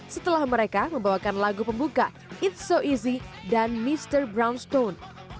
setelah mereka membawakan lagu pembuka it's so easy dan mr brownstone